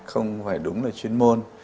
không phải đúng là chuyên môn